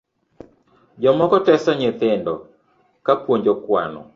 Jomoko teso nyithindo kapuonjo kwano